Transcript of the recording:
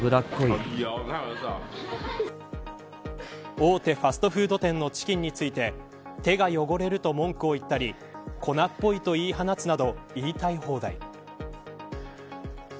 大手ファストフード店のチキンについて手が汚れると文句を言ったり粉っぽいと言い放つなど言いたい放題。